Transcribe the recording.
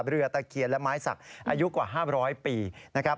เรือตะเคียนและหมายศักดิ์อายุกว่า๕๐๐ปีนะครับ